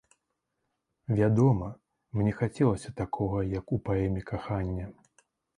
Вядома, мне хацелася такога, як у паэме, кахання.